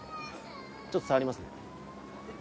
ちょっと触りますね